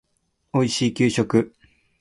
おいしい給食